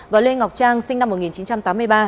và lê ngọc trang sinh năm một nghìn chín trăm tám mươi ba